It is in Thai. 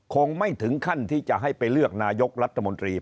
คงไม่ถึงขั้นที่จะให้ไปเลือกนายกรัฐมนตรี